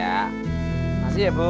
terima kasih ya bu